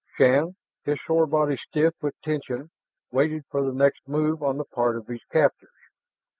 Shann, his sore body stiff with tension, waited for the next move on the part of his captors.